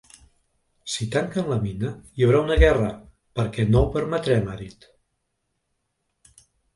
Si tanquen la mina, hi haurà una guerra, perquè no ho permetrem, ha dit.